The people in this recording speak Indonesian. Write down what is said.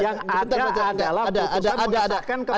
yang ada adalah putusan mengesahkan ke pengumuman